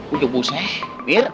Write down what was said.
udah puseh mir